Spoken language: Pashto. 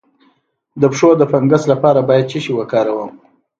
د پښو د فنګس لپاره باید څه شی وکاروم؟